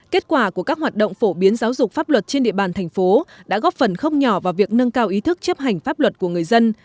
kết quả của các hoạt động phổ biến giáo dục pháp luật trên địa bàn thành phố đã góp phần không nhỏ vào việc nâng cao ý thức chấp hành pháp luật của người dân